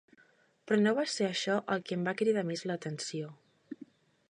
Però no va ser això el que em va cridar més l'atenció.